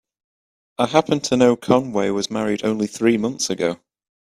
I happen to know Conway was married only three months ago.